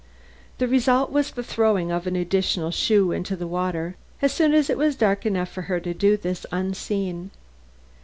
The result was the throwing of a second shoe into the water as soon as it was dark enough for her to do this unseen.